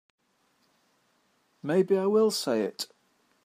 Maybe I will say it.